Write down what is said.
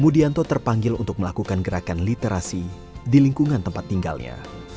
mudianto terpanggil untuk melakukan gerakan literasi di lingkungan tempat tinggalnya